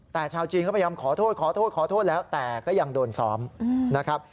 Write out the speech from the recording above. แต่ชาวจีนก็พยายามขอโทษแล้วแต่ก็ยังโดนสอบ